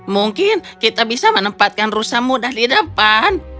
mungkin kita bisa menempatkan rusa mudah di depan